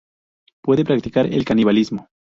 Puede practicar el canibalismo.